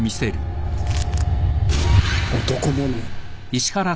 男物。